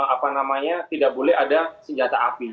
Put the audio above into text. apa namanya tidak boleh ada senjata api